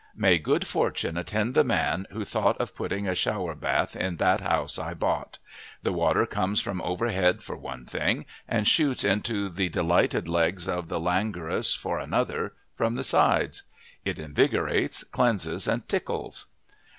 May good fortune attend the man who thought of putting a shower bath in That House I Bought! The water comes from overhead for one thing, and shoots into the delighted legs of the languorous for another, from the sides. It invigorates, cleanses, and tickles.